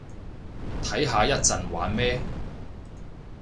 睇下一陣玩咩